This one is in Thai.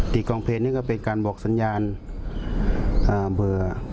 กองเพลงนี้ก็เป็นการบอกสัญญาณเบื่อ